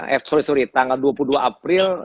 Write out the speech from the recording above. eh maaf tanggal dua puluh dua april